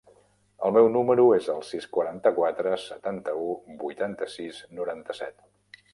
El meu número es el sis, quaranta-quatre, setanta-u, vuitanta-sis, noranta-set.